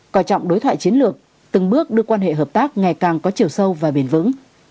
coi trọng đối thoại chiến lược từng bước đưa quan hệ hợp tác ngày càng có chiều sâu và bền vững